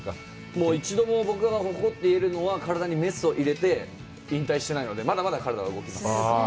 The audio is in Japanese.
もう一度も、僕が誇って言えるのは体にメスを入れて引退してないので、まだまだ体は動きます。